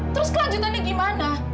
terus kelanjutannya gimana